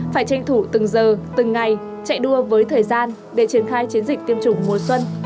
phải tranh thủ từng giờ từng ngày chạy đua với thời gian để triển khai chiến dịch tiêm chủng mùa xuân